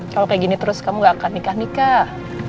kalau kayak gini terus kamu gak akan nikah nikah